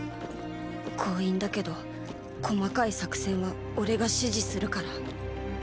強引だけど細かい作戦はオレが指示するから。